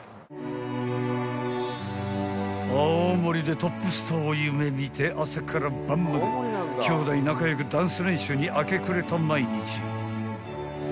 ［青森でトップスターを夢見て朝から晩まで兄弟仲良くダンス練習に明け暮れた毎日］